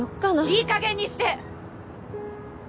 いいかげんにして！